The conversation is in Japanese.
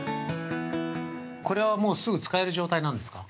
◆これは、もう、すぐ使える状態なんですか？